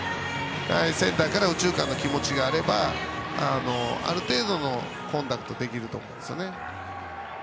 センターから右中間への気持ちがあればある程度のコンタクトができると思うんですね。